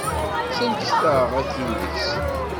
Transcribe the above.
Sellket-aɣ akin deg-s.